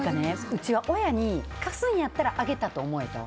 うちは親に貸すんやったらあげたと思えと。